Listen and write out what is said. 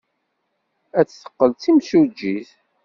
Ad teqqel d timsujjit.